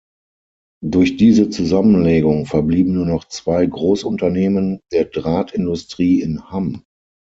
Durch diese Zusammenlegung verblieben nur noch zwei Großunternehmen der Drahtindustrie in Hamm.